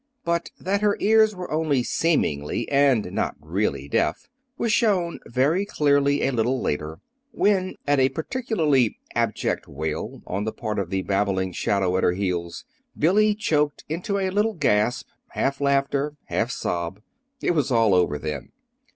But that her ears were only seemingly, and not really deaf, was shown very clearly a little later, when, at a particularly abject wail on the part of the babbling shadow at her heels, Billy choked into a little gasp, half laughter, half sob. It was all over then.